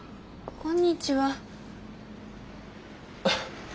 こんにちは。